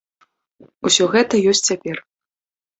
Усё гэта ёсць цяпер.